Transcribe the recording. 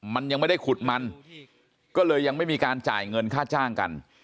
มันยังไม่ได้ขุดมันก็เลยยังไม่มีการจ่ายเงินค่าจ้างกัน